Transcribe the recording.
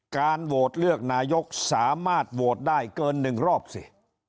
การโหวตเลือกนายกสามารถโหวตได้เกิน๑รอบสิ